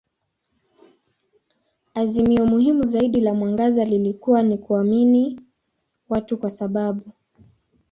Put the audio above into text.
Azimio muhimu zaidi la mwangaza lilikuwa ni kuamini watu kwa sababu.